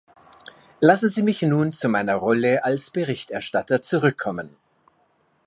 Lassen Sie mich nun zu meiner Rolle als Berichterstatter zurückkommen.